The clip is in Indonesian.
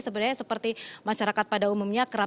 sebenarnya seperti masyarakat pada umumnya